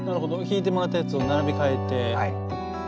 弾いてもらったやつを並び替えて。